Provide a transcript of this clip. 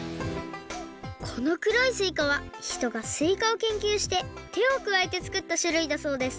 このくろいすいかはひとがすいかをけんきゅうしててをくわえてつくったしゅるいだそうです。